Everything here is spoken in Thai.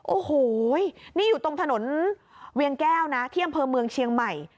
โอ้โหนี่อยู่ตรงถนนเวียงแก้วนะที่อำเภอเมืองเชียงใหม่